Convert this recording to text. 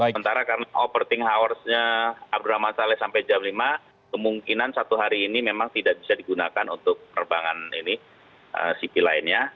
sementara karena operating hoursnya abdurrahman saleh sampai jam lima kemungkinan satu hari ini memang tidak bisa digunakan untuk penerbangan ini city lainnya